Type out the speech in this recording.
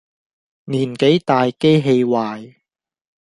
年紀大機器壞